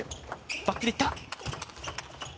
バックでいった。